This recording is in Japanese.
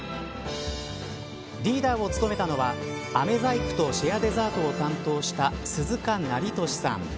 リーダーを務めたのはあめ細工とシェアデザートを担当した鈴鹿成年さん。